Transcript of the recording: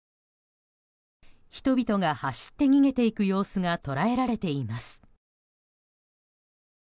人々が走って逃げていく様子が捉えられています。